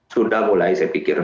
sudah mulai saya pikir